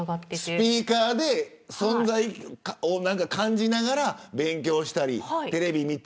スピーカーで存在を感じながら勉強したり、テレビ見て。